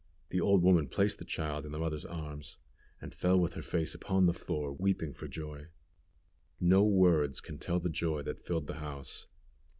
The old woman placed the child in the mother's arms, and fell with her face upon the floor, weeping for joy. No words can tell the joy that filled the house.